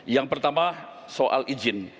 yang pertama soal izin